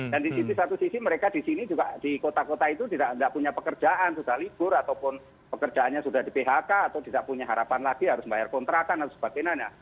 dan di satu sisi mereka di sini juga di kota kota itu tidak punya pekerjaan sudah libur ataupun pekerjaannya sudah di phk atau tidak punya harapan lagi harus bayar kontrakan dan sebagainya